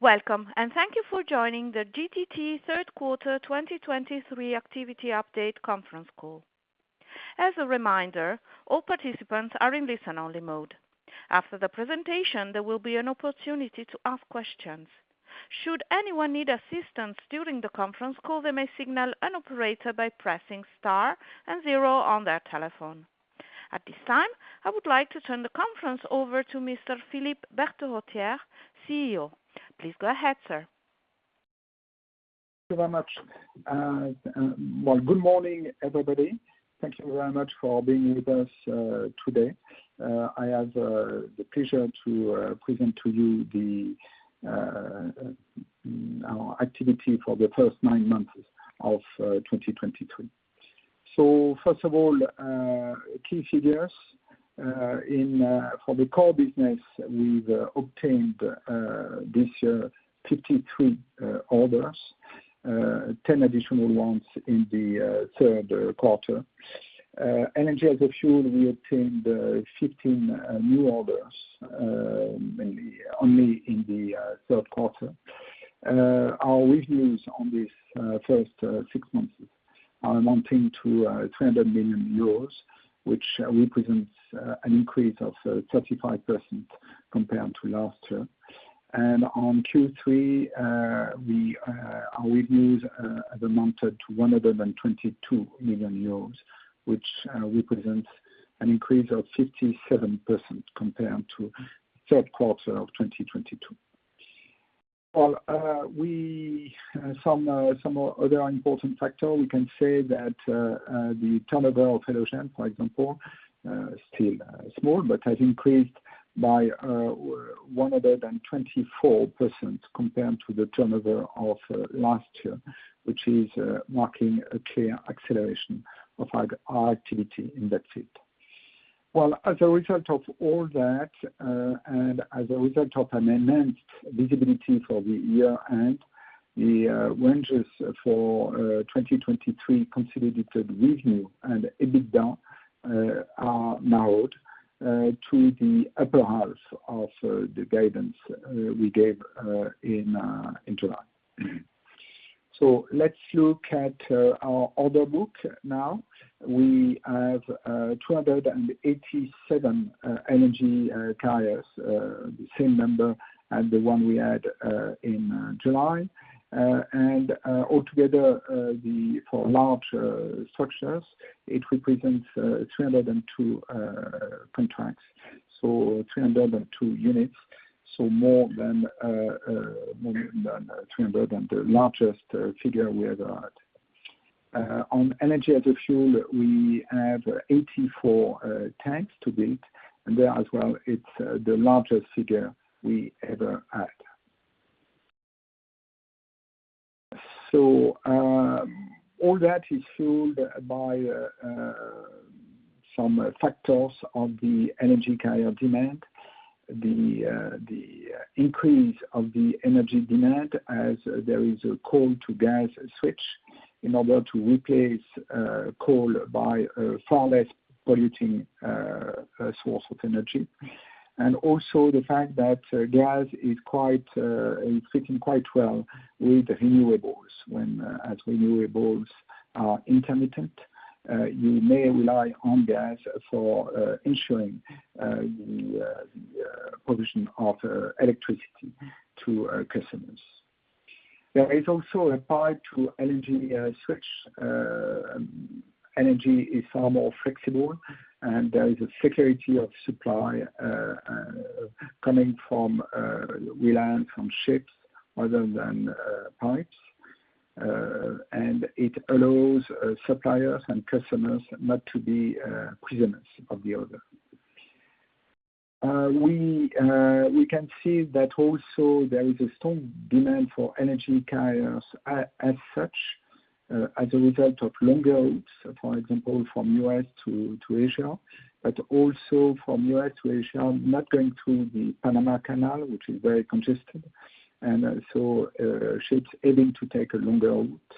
Welcome, and thank you for joining the GTT Q3 2023 Activity Update Conference Call. As a reminder, all participants are in listen-only mode. After the presentation, there will be an opportunity to ask questions. Should anyone need assistance during the conference call, they may signal an operator by pressing star and zero on their telephone. At this time, I would like to turn the conference over to Mr. Philippe Berterottière, CEO. Please go ahead, sir. Thank you very much. Well, good morning, everybody. Thank you very much for being with us today. I have the pleasure to present to you our activity for the first nine months of 2023. So first of all, key figures. In for the core business, we've obtained this year 53 orders, 10 additional ones in the Q3. LNG as a fuel, we obtained 15 new orders, mainly only in the Q3. Our revenues on these first six months are amounting to 200 million euros, which represents an increase of 35% compared to last year. On Q3, our revenues have amounted to 122 million euros, which represents an increase of 57% compared to Q3 of 2022. Well, some other important factor, we can say that the turnover of Hyosung, for example, still small, but has increased by 124% compared to the turnover of last year, which is marking a clear acceleration of our activity in that field. Well, as a result of all that, and as a result of an enhanced visibility for the year end, the ranges for 2023 consolidated revenue and EBITDA are narrowed to the upper half of the guidance we gave in July. So let's look at our order book now. We have 287 LNG Carriers, the same number as the one we had in July. And altogether, the four large structures, it represents 202 contracts, so 202 units, so more than more than 200 and the largest figure we ever had. On LNG as a fuel, we have 84 tanks to build, and there as well, it's the largest figure we ever had. All that is fueled by some factors of the energy carrier demand. The increase of the energy demand as there is a coal-to-gas switch in order to replace coal by a far less polluting source of energy. Also the fact that gas is quite, it's fitting quite well with renewables. When, as renewables are intermittent, you may rely on gas for ensuring the provision of electricity to our customers. There is also a pipe-to-LNG switch. LNG is far more flexible, and there is a security of supply coming from relying from ships rather than pipes. It allows suppliers and customers not to be prisoners of the other. We can see that also there is a strong demand for LNG Carriers as such as a result of longer routes, for example, from U.S. to Asia, but also from U.S. to Asia, not going through the Panama Canal, which is very congested, and also ships having to take a longer route.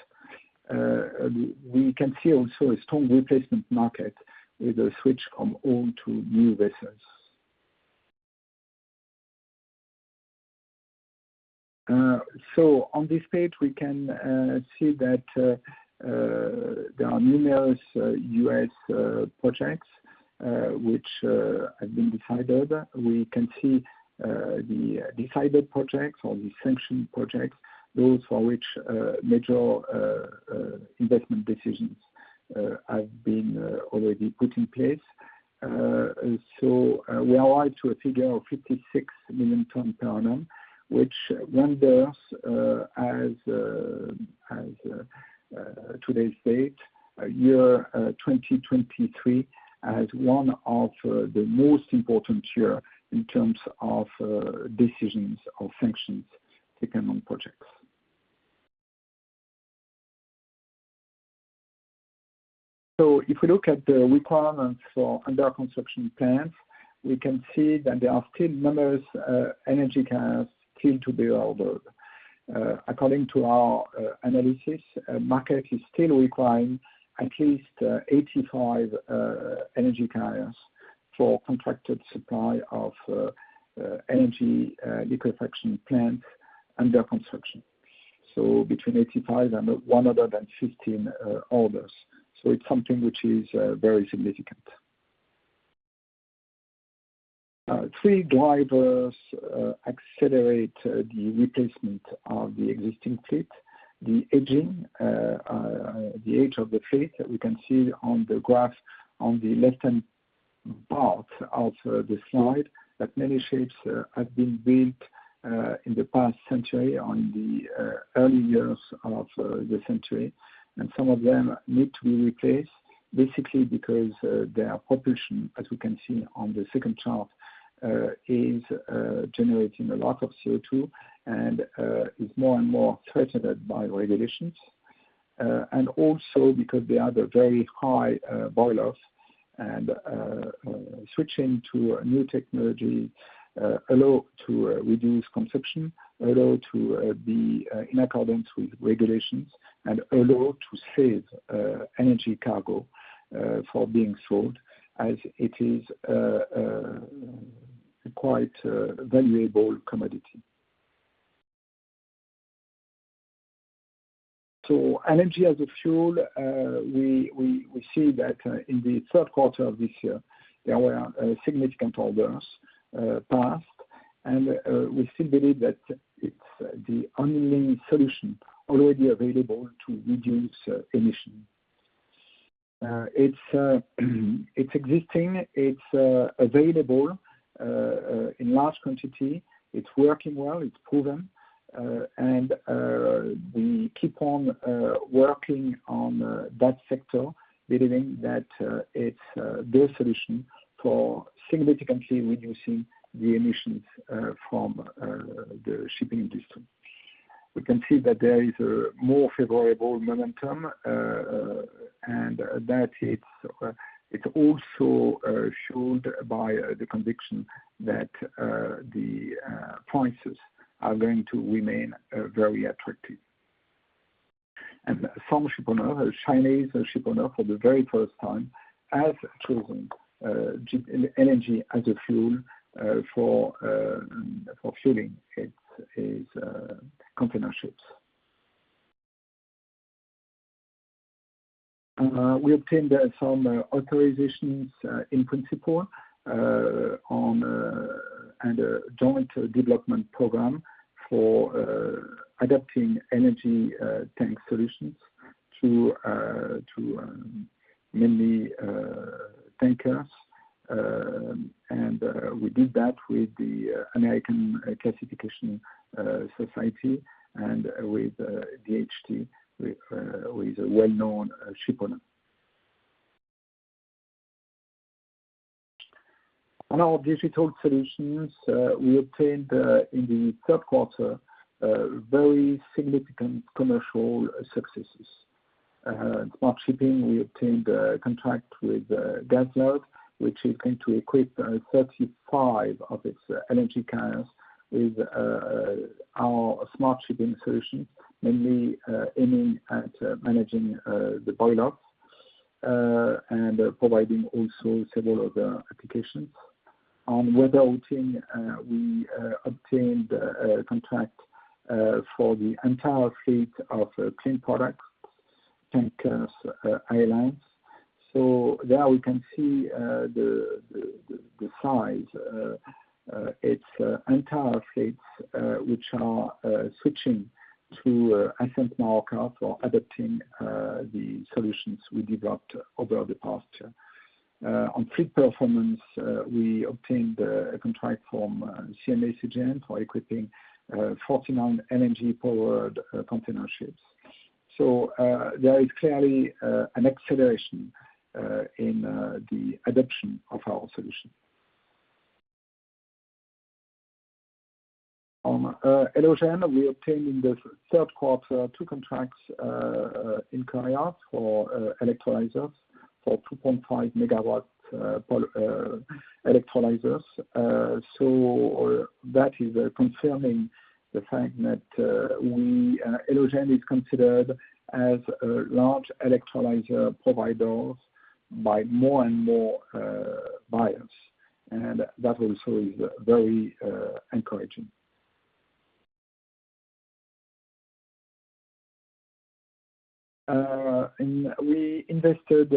We can see also a strong replacement market with a switch from old to new vessels. So on this page, we can see that there are numerous U.S. projects which have been decided. We can see the decided projects or the sanctioned projects, those for which major investment decisions have been already put in place. So we arrive to a figure of 56 million tonnes per annum, which renders, as of today's date, 2023 as one of the most important years in terms of decisions or sanctions taken on projects. So if we look at the requirements for under construction plants, we can see that there are still numerous LNG carriers to be ordered. According to our analysis, market is still requiring at least 85 LNG carriers for contracted supply of LNG liquefaction plant under construction. So between 85 and 115 orders. So it's something which is very significant. Three drivers accelerate the replacement of the existing fleet. The aging, the age of the fleet, we can see on the graph on the left-hand part of the slide, that many ships have been built in the past century, on the early years of the century. And some of them need to be replaced, basically, because their population, as we can see on the second chart, is generating a lot of CO2, and is more and more threatened by regulations. And also because they have a very high boil-off, and switching to a new technology allow to reduce consumption, allow to be in accordance with regulations, and allow to save energy cargo for being sold, as it is quite valuable commodity. So LNG as a fuel, we see that in the Q3 of this year, there were significant orders passed, and we still believe that it's the only solution already available to reduce emission. It's existing, it's available in large quantity. It's working well, it's proven. And we keep on working on that sector, believing that it's the solution for significantly reducing the emissions from the shipping industry. We can see that there is a more favorable momentum, and that it's also showed by the conviction that the prices are going to remain very attractive. Some Chinese shipper, for the very first time, have chosen LNG as a fuel for fueling its container ships. We obtained some authorizations in principle and a joint development program for adapting LNG tank solutions to mainly tankers. And we did that with the American Classification Society and with DHT with a well-known shipper. On our digital solutions, we obtained in the Q3 very significant commercial successes. Smart shipping, we obtained a contract with GasLog, which is going to equip 35 of its LNG carriers with our smart shipping solution, mainly aiming at managing the boilers and providing also several other applications. On weather routing, we obtained a contract for the entire fleet of clean products tankers and liners. So there we can see the size its entire fleets which are switching to Ascenz Marorka for adapting the solutions we developed over the past year. On fleet performance, we obtained a contract from CMA CGM for equipping 49 LNG-powered container ships. So there is clearly an acceleration in the adoption of our solution. On Elogen, we obtained in the Q3 two contracts in Korea for electrolyzers for 2.5-megawatt PEM electrolyzers. So that is confirming the fact that we... Elogen is considered as a large electrolyzer provider by more and more buyers, and that also is very encouraging. And we invested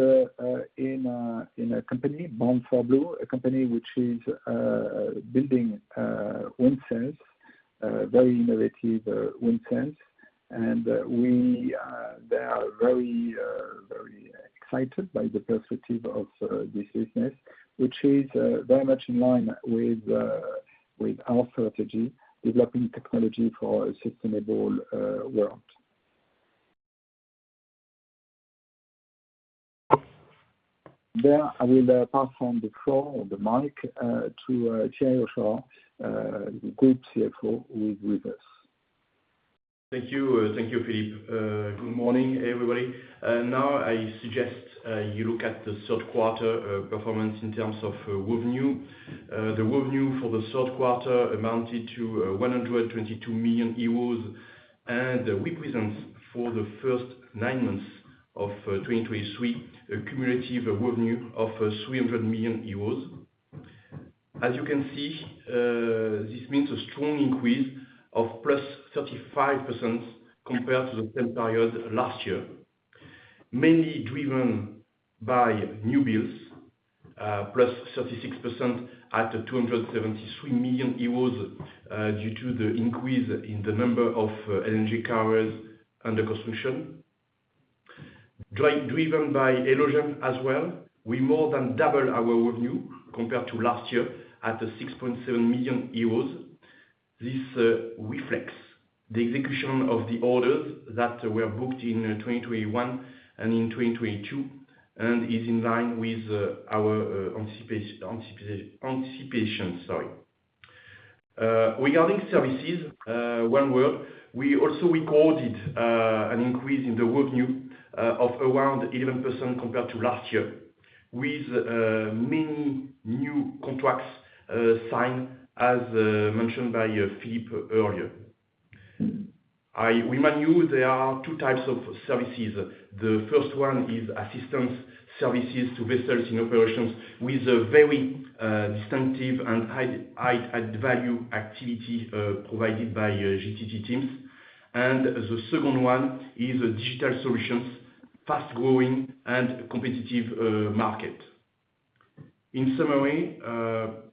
in a company, bound4blue, a company which is building wind sails, very innovative wind sails. And we, they are very, very excited by the perspective of this business, which is very much in line with our strategy, developing technology for a sustainable world. There, I will pass on the floor or the mic to Thierry, the Group CFO, who is with us. Thank you. Thank you, Philippe. Good morning, everybody. Now, I suggest you look at the Q3 performance in terms of revenue. The revenue for the Q3 amounted to 122 million euros, and we present for the first nine months of 2023 a cumulative revenue of 300 million euros. As you can see, this means a strong increase of +35% compared to the same period last year, mainly driven by new builds, +36% at 273 million euros, due to the increase in the number of energy carriers under construction. Driven by Elogen as well, we more than double our revenue compared to last year at 6.7 million euros. This reflects the execution of the orders that were booked in 2021 and in 2022, and is in line with our anticipation, sorry. Regarding services overall, we also recorded an increase in the revenue of around 11% compared to last year, with many new contracts signed as mentioned by Philippe earlier. I remind you, there are two types of services. The first one is assistance services to vessels in operations with a very distinctive and high add value activity provided by GTT teams. And the second one is digital solutions, fast-growing and competitive market. In summary,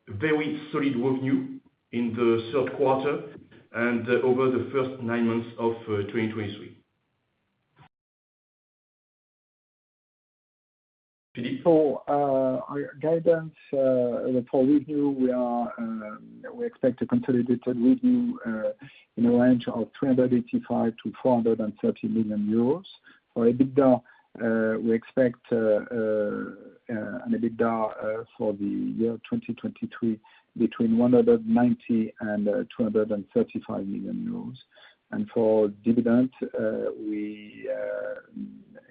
very solid revenue in the Q3 and over the first nine months of 2023. Philippe? So, our guidance for revenue, we expect to consolidate the revenue in a range of 385 million-430 million euros. For EBITDA, we expect an EBITDA for the year 2023, between 190 million and 235 million euros. For dividend, we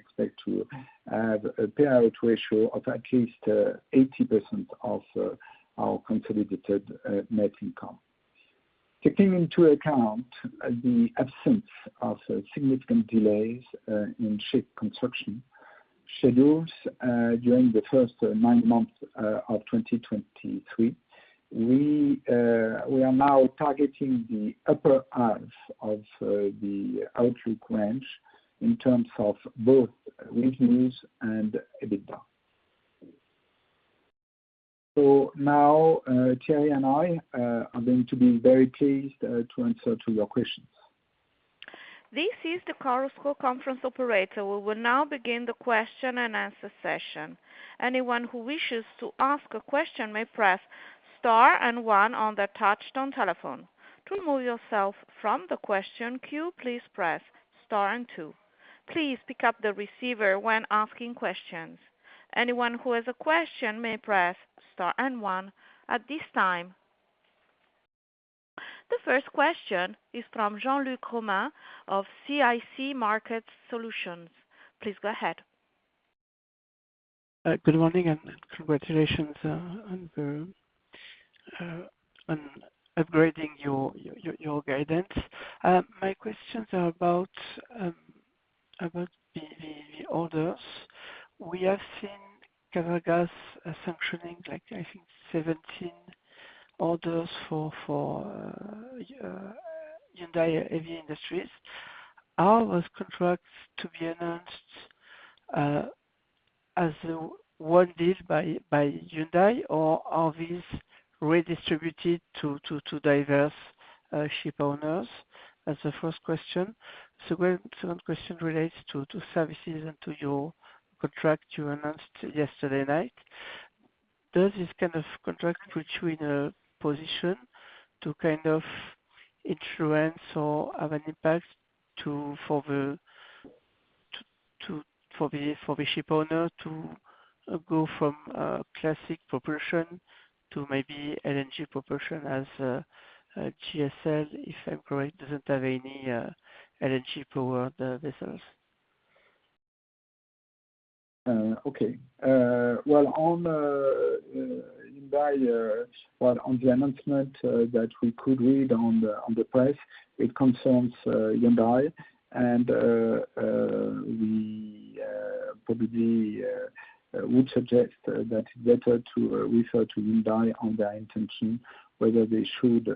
expect to have a payout ratio of at least 80% of our consolidated net income. Taking into account the absence of significant delays in ship construction schedules during the first nine months of 2023, we are now targeting the upper half of the outlook range in terms of both revenues and EBITDA. So now, Thierry and I are going to be very pleased to answer your questions. This is the Chorus Call conference operator. We will now begin the question and answer session. Anyone who wishes to ask a question may press Star and One on their touchtone telephone. To remove yourself from the question queue, please press Star and Two. Please pick up the receiver when asking questions. Anyone who has a question may press Star and One at this time. The first question is from Jean-Luc Romain of CIC Market Solutions. Please go ahead. Good morning, and congratulations on upgrading your guidance. My questions are about the orders. We have seen Qatargas sanctioning, like, I think 17 orders for Hyundai Heavy Industries. Are those contracts to be announced as one deal by Hyundai, or are these redistributed to diverse shipowners? That's the first question. The second question relates to services and to your contract you announced yesterday night. Does this kind of contract put you in a position to kind of influence or have an impact for the shipowner to go from classic propulsion to maybe LNG propulsion, as GSL, if I'm correct, doesn't have any LNG-powered vessels? Okay. Well, on Hyundai, well, on the announcement that we could read on the press, it concerns Hyundai. And we probably would suggest that it's better to refer to Hyundai on their intention, whether they should,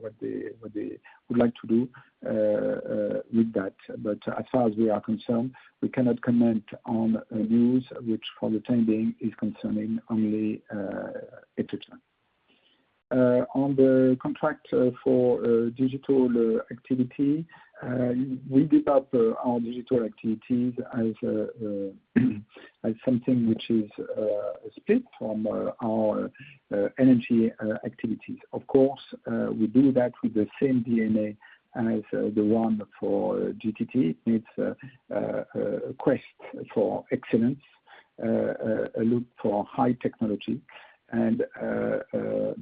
what they would like to do with that. But as far as we are concerned, we cannot comment on news which for the time being is concerning only Elogen. On the contract for digital activity, we develop our digital activities as something which is split from our energy activities. Of course, we do that with the same DNA as the one for GTT. It's a quest for excellence, a look for high technology, and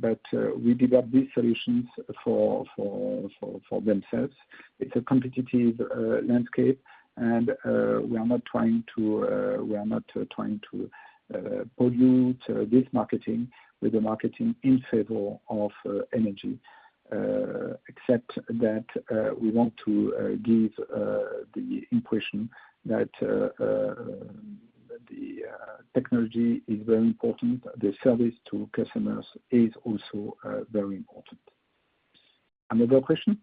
but we develop these solutions for themselves. It's a competitive landscape, and we are not trying to pollute this marketing with the marketing in favor of energy. Except that we want to give the impression that technology is very important. The service to customers is also very important. Another question?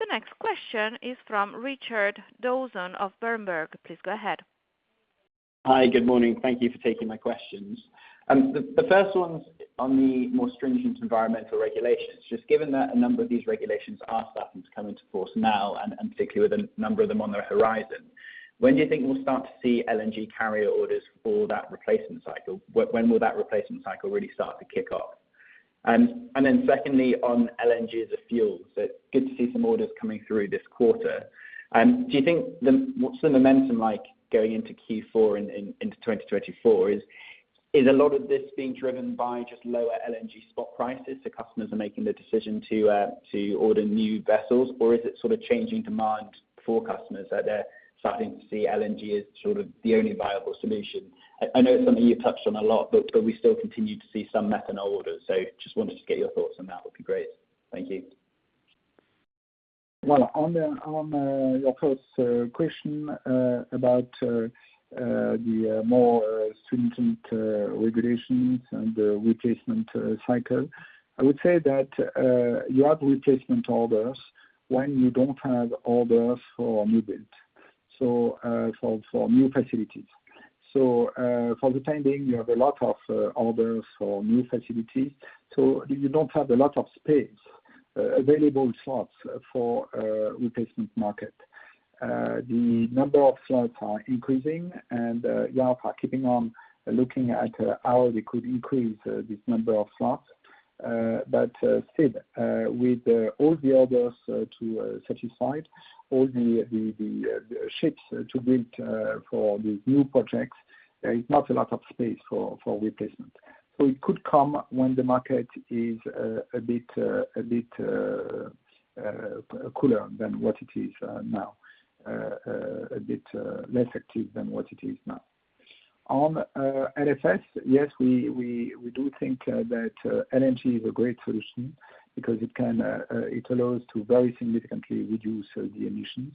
The next question is from Richard Dawson of Berenberg. Please go ahead. Hi, good morning. Thank you for taking my questions. The first one's on the more stringent environmental regulations. Just given that a number of these regulations are starting to come into force now, and particularly with a number of them on the horizon, when do you think we'll start to see LNG Carrier orders for that replacement cycle? When will that replacement cycle really start to kick off? And then secondly, on LNG as a fuel, so good to see some orders coming through this quarter. Do you think what's the momentum like going into Q4 and into 2024? Is a lot of this being driven by just lower LNG spot prices, so customers are making the decision to order new vessels? Or is it sort of changing demand for customers, that they're starting to see LNG as sort of the only viable solution? I, I know it's something you've touched on a lot, but, but we still continue to see some methanol orders. So just wanted to get your thoughts on that, would be great. Thank you. Well, on the, on, your first question about the more stringent regulations and the replacement cycle, I would say that you have replacement orders when you don't have orders for new build, so for new facilities. So, for the time being, you have a lot of orders for new facilities, so you don't have a lot of space available slots for replacement market. The number of slots are increasing and yeah, are keeping on looking at how they could increase this number of slots. But still, with all the orders to set aside, all the ships to build for the new projects, there is not a lot of space for replacement. So it could come when the market is a bit cooler than what it is now. A bit less active than what it is now. On LFS, yes, we do think that LNG is a great solution because it allows to very significantly reduce the emissions.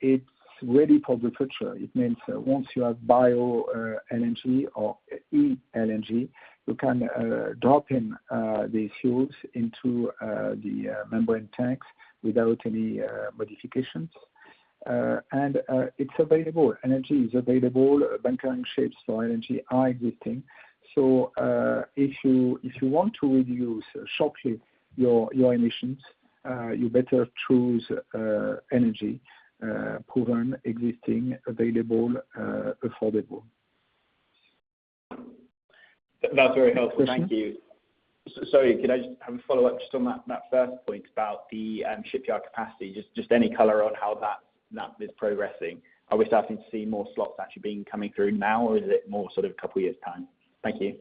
It's ready for the future. It means once you have Bio-LNG or e-LNG, you can drop in the fuels into the membrane tanks without any modifications. And it's available. LNG is available. Bunkering ships for LNG are existing. So if you want to reduce sharply your emissions, you better choose LNG proven, existing, available, affordable. That's very helpful. Thank you. Sorry, could I just have a follow-up just on that, that first point about the shipyard capacity? Just, just any color on how that, that is progressing? Are we starting to see more slots actually being coming through now, or is it more sort of a couple of years' time? Thank you.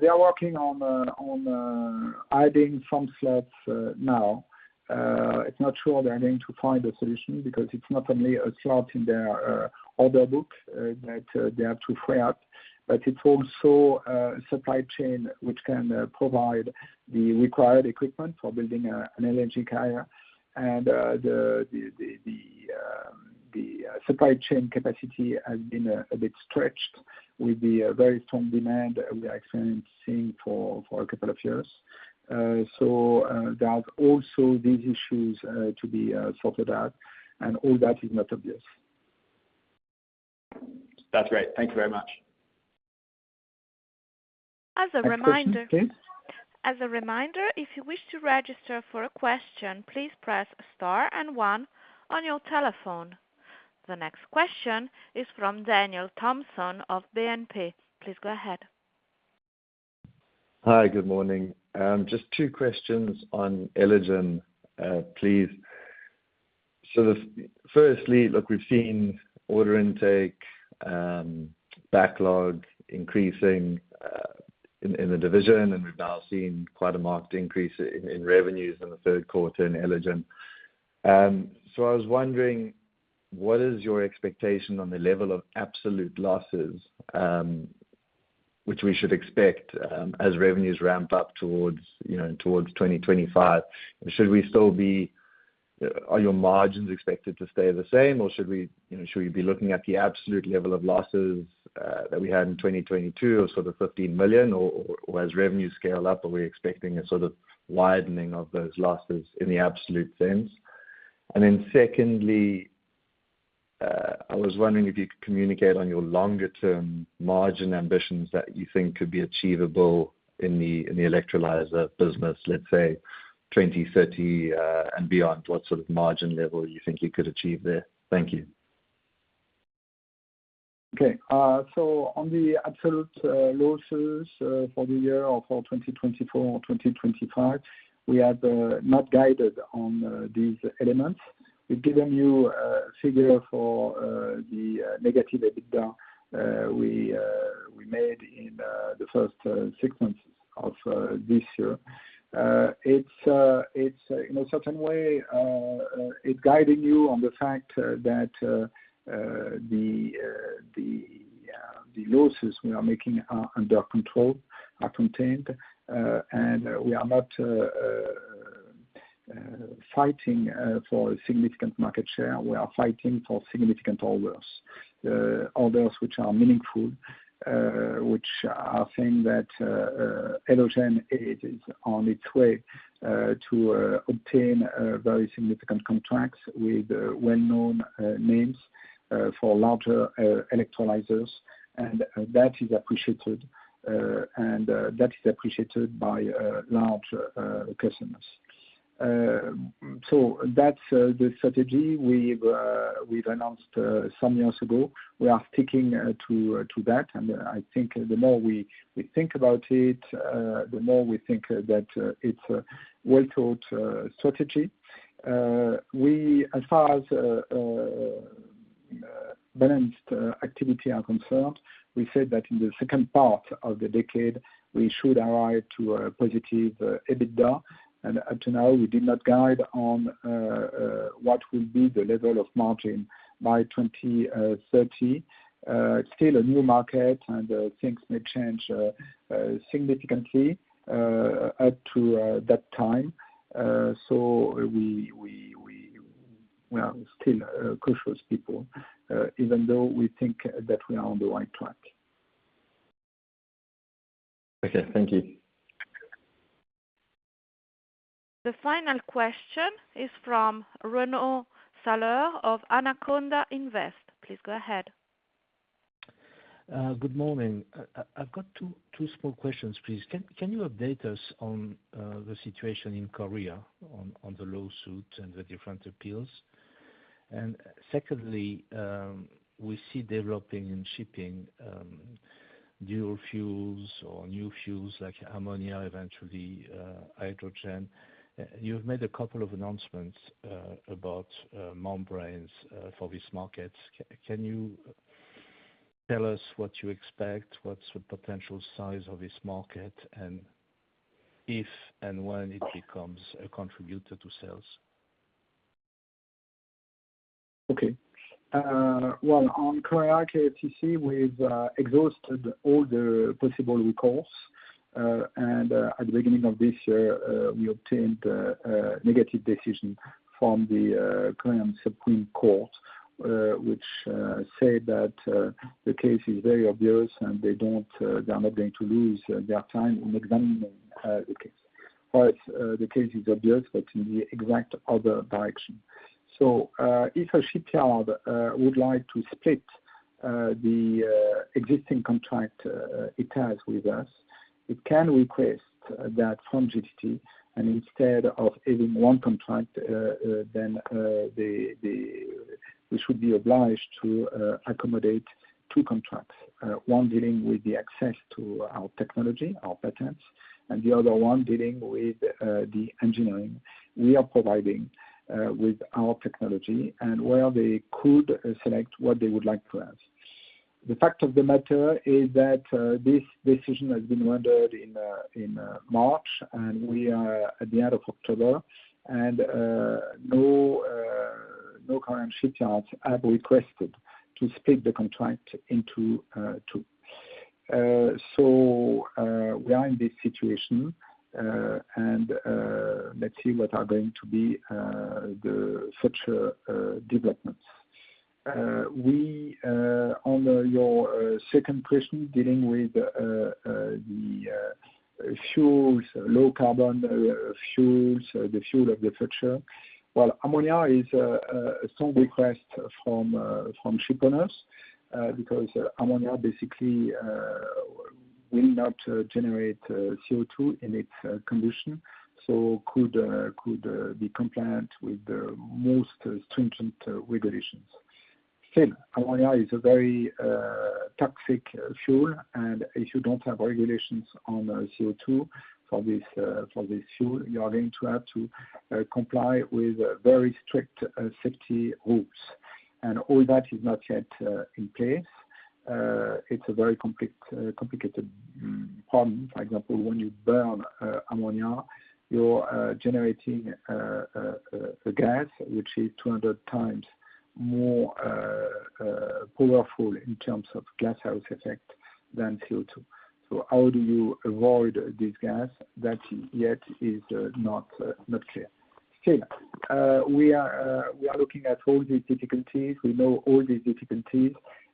They are working on adding some slots now. It's not sure they are going to find a solution because it's not only a slot in their order book that they have to free up, but it's also a supply chain which can provide the required equipment for building an LNG carrier. And the supply chain capacity has been a bit stretched with the very strong demand we are experiencing for a couple of years. So, there are also these issues to be sorted out, and all that is not obvious. That's great. Thank you very much. As a reminder- Next question, please. As a reminder, if you wish to register for a question, please press star and one on your telephone. The next question is from Daniel Thompson of BNP. Please go ahead. Hi, good morning. Just two questions on Elogen, please. So firstly, look, we've seen order intake, backlog increasing, in, in the division, and we've now seen quite a marked increase in, in revenues in the Q3 in Elogen. So I was wondering, what is your expectation on the level of absolute losses, which we should expect, as revenues ramp up towards, you know, towards 2025? Should we still be... Are your margins expected to stay the same, or should we, you know, should we be looking at the absolute level of losses, that we had in 2022, or sort of 15 million, or, or as revenues scale up, are we expecting a sort of widening of those losses in the absolute sense? And then secondly, I was wondering if you could communicate on your longer-term margin ambitions that you think could be achievable in the electrolyzer business, let's say, 2030 and beyond. What sort of margin level you think you could achieve there? Thank you. Okay. So on the absolute losses for the year or for 2024 or 2025, we have not guided on these elements. We've given you a figure for the negative EBITDA we made in the first six months of this year. It's, in a certain way, it guided you on the fact that the losses we are making are under control, are contained, and we are not fighting for significant market share. We are fighting for significant orders. Orders which are meaningful, which are saying that Elogen is on its way to obtain very significant contracts with well-known names for larger electrolyzers, and that is appreciated and that is appreciated by large customers. So that's the strategy we've announced some years ago. We are sticking to that, and I think the more we think about it, the more we think that it's a well-thought strategy. We, as far as balanced activity are concerned, we said that in the second part of the decade, we should arrive to a positive EBITDA. And up to now, we did not guide on what will be the level of margin by 2030. It's still a new market, and things may change significantly up to that time. So we are still cautious people even though we think that we are on the right track. Okay, thank you. The final question is from Renaud Saleur of Anaconda Invest. Please go ahead. Good morning. I've got two small questions, please. Can you update us on the situation in Korea on the lawsuit and the different appeals? And secondly, we see developing and shipping dual fuels or new fuels like ammonia, eventually, hydrogen. You've made a couple of announcements about membranes for these markets. Can you tell us what you expect, what's the potential size of this market, and if and when it becomes a contributor to sales? Okay. Well, on Korea KFTC, we've exhausted all the possible recourse. And at the beginning of this year, we obtained a negative decision from the Korean Supreme Court, which said that the case is very obvious and they don't, they are not going to lose their time in examining the case. But the case is obvious, but in the exact other direction. So if a shipyard would like to split the existing contract it has with us, it can request that from GTT, and instead of having one contract, then we should be obliged to accommodate two contracts. One dealing with the access to our technology, our patents, and the other one dealing with the engineering we are providing with our technology, and where they could select what they would like to us. The fact of the matter is that this decision has been rendered in March, and we are at the end of October, and no current shipyards have requested to split the contract into 2. So, we are in this situation, and let's see what are going to be the future developments. On your second question, dealing with the fuels, low carbon fuels, the fuel of the future. Well, ammonia is a strong request from shipowners because ammonia basically will not generate CO2 in its condition, so could be compliant with the most stringent regulations. Still, ammonia is a very toxic fuel, and if you don't have regulations on CO2 for this fuel, you are going to have to comply with very strict safety rules. And all that is not yet in place. It's a very complicated problem. For example, when you burn ammonia, you're generating a gas which is 200 times more powerful in terms of gashouse effect than CO2. So how do you avoid this gas? That yet is not clear. Still, we are looking at all these difficulties. We know all these difficulties.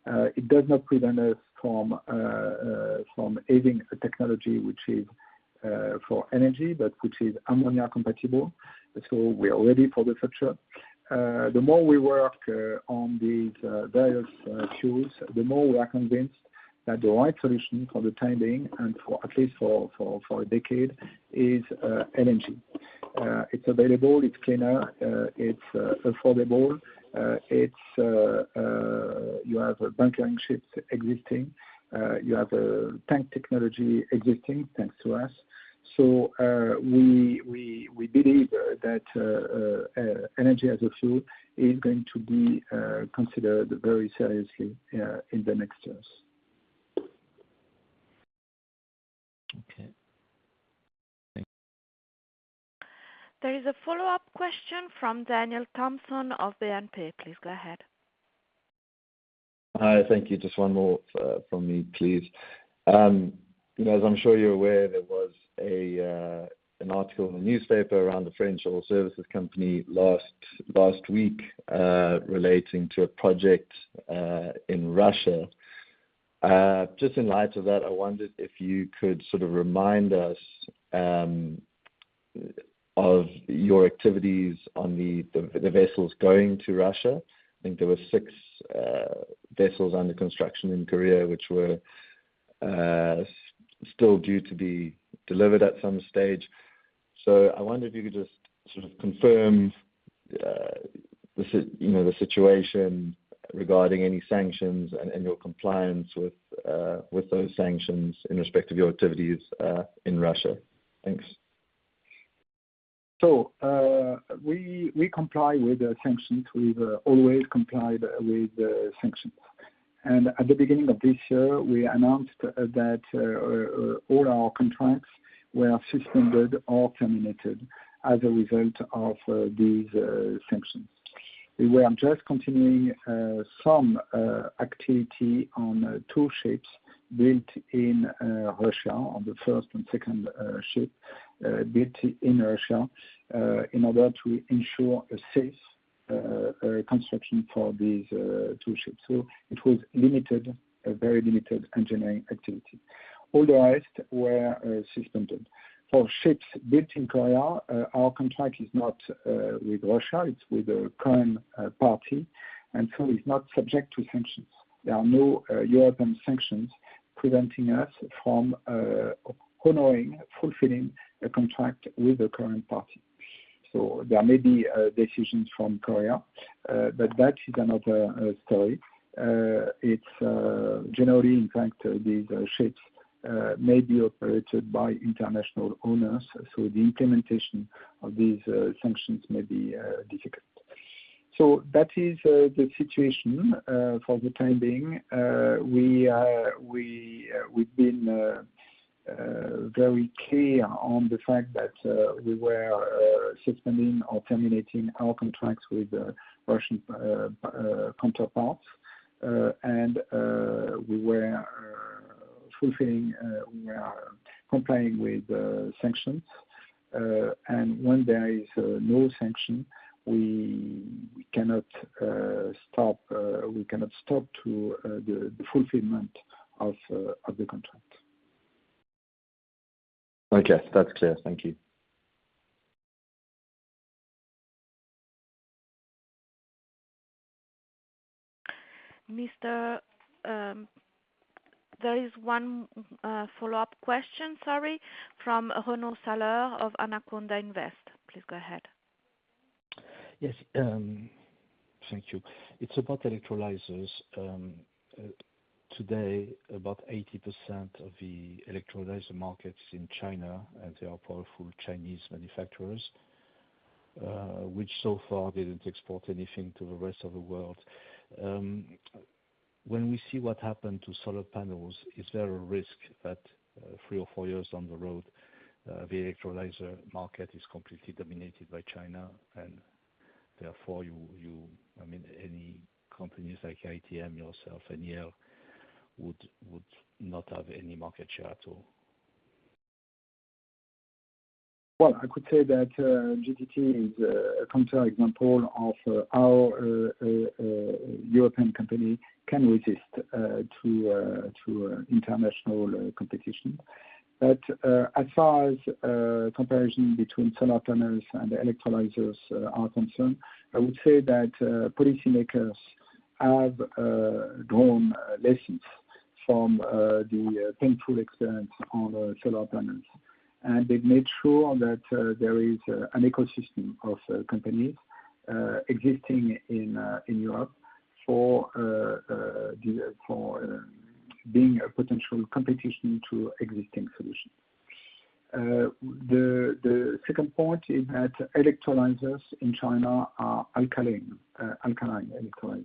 It does not prevent us from having a technology which is for energy, but which is ammonia compatible. So we are ready for the future. The more we work on these various fuels, the more we are convinced that the right solution for the time being, and for at least a decade, is LNG. It's available, it's cleaner, it's affordable, you have bunkering ships existing, you have a tank technology existing, thanks to us. So, we believe that energy-as-a-fuel is going to be considered very seriously in the next years. There is a follow-up question from Daniel Thompson of BNP. Please go ahead. Hi, thank you. Just one more from me, please. As I'm sure you're aware, there was an article in the newspaper around the French oil services company last week, relating to a project in Russia. Just in light of that, I wondered if you could sort of remind us of your activities on the vessels going to Russia. I think there were six vessels under construction in Korea, which were still due to be delivered at some stage. So I wonder if you could just sort of confirm you know, the situation regarding any sanctions and your compliance with those sanctions in respect of your activities in Russia. Thanks. So, we comply with the sanctions. We've always complied with the sanctions. And at the beginning of this year, we announced that all our contracts were suspended or terminated as a result of these sanctions. We are just continuing some activity on two ships built in Russia, on the first and second ship built in Russia, in order to ensure a safe construction for these two ships. So it was limited, a very limited engineering activity. All the rest were suspended. For ships built in Korea, our contract is not with Russia, it's with a Korean party, and so it's not subject to sanctions. There are no European sanctions preventing us from honoring, fulfilling a contract with a Korean party. So there may be decisions from Korea, but that is another story. It's generally, in fact, these ships may be operated by international owners, so the implementation of these sanctions may be difficult. So that is the situation for the time being. We've been very clear on the fact that we were suspending or terminating our contracts with the Russian counterparts. And we were fulfilling, we are complying with the sanctions. And when there is no sanction, we cannot stop, we cannot stop to the fulfillment of the contract. Okay. That's clear. Thank you. Mister, there is one, follow-up question, sorry, from Renaud Saleur of Anaconda Invest. Please go ahead. Yes, thank you. It's about electrolyzers. Today, about 80% of the electrolyzer markets in China, and there are powerful Chinese manufacturers, which so far didn't export anything to the rest of the world. When we see what happened to solar panels, is there a risk that, three or four years down the road, the electrolyzer market is completely dominated by China, and therefore, you, you, I mean, any companies like ITM, yourself, and Yale would, would not have any market share at all? Well, I could say that GTT is a counter example of how a European company can resist to international competition. But, as far as comparison between solar panels and electrolyzers are concerned, I would say that policymakers have drawn lessons from the painful experience on solar panels. And they've made sure that there is an ecosystem of companies existing in Europe for being a potential competition to existing solutions. The second point is that electrolyzers in China are alkaline electrolyzers,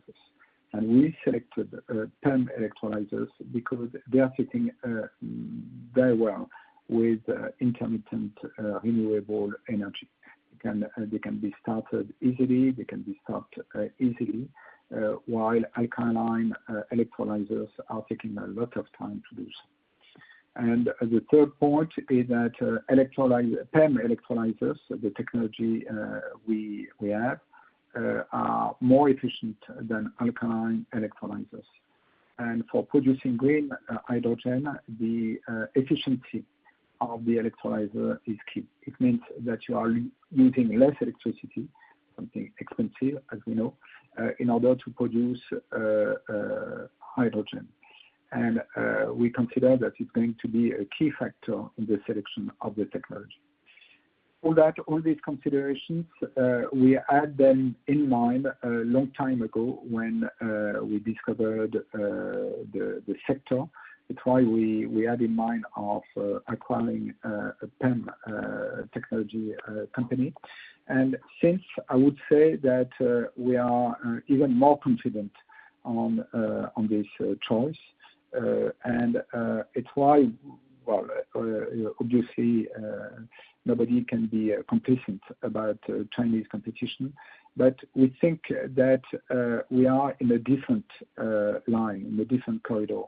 and we selected PEM electrolyzers because they are fitting very well with intermittent renewable energy. Can... They can be started easily, they can be stopped easily, while alkaline electrolyzers are taking a lot of time to do so. And the third point is that, electrolyzer, PEM electrolyzers, the technology, we, we have, are more efficient than alkaline electrolyzers. And for producing green, hydrogen, the, efficiency of the electrolyzer is key. It means that you are using less electricity, something expensive, as we know, in order to produce, hydrogen. And, we consider that it's going to be a key factor in the selection of the technology. All that, all these considerations, we had them in mind a long time ago when, we discovered, the, the sector. That's why we, we had in mind of, acquiring, a PEM, technology, company. And since I would say that we are even more confident on this choice, and it's why... Well, obviously, nobody can be complacent about Chinese competition, but we think that we are in a different line, in a different corridor,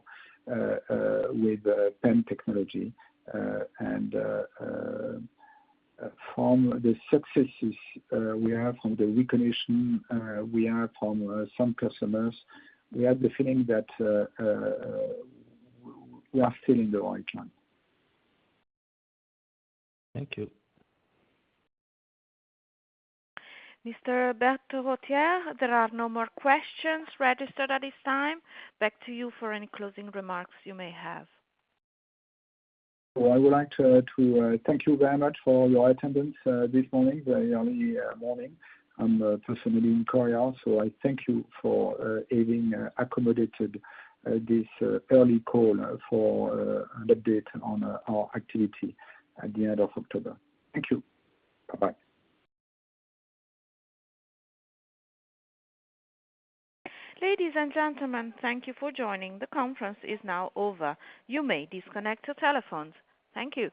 with PEM technology. And from the successes we have, from the recognition we have from some customers, we have the feeling that we are still in the right line. Thank you. Mr. Berterottiere, there are no more questions registered at this time. Back to you for any closing remarks you may have. Well, I would like to thank you very much for your attendance this morning, very early morning. I'm personally in Korea, so I thank you for having accommodated this early call for an update on our activity at the end of October. Thank you. Bye-bye. Ladies and gentlemen, thank you for joining. The conference is now over. You may disconnect your telephones. Thank you.